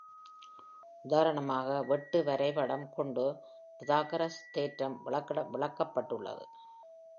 உதாரணமாக, வெட்டு வரைபடம் கொண்டு பிதாகரஸ் தேற்றம் விளக்கப்பட்டுள்ளது.